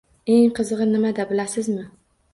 Eng qizig‘i nimada, bilasizmi?